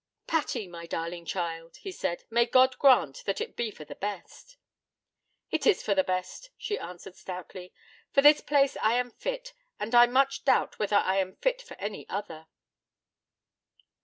'Patty, my darling child,' he said, 'may God grant that it be for the best!' 'It is for the best,' she answered stoutly. 'For this place I am fit; and I much doubt whether I am fit for any other.'